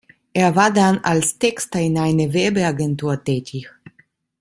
Er war dann als Texter in einer Werbeagentur tätig.